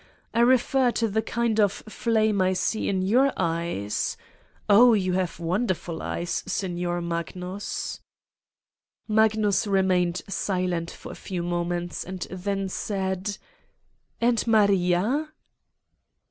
... I refer to the kind of flame I see in your eyes. 0! you have wonderful eyes, Sig nor Magnus.' Magnus remained silent for a few moments and then said: 1 ' And Maria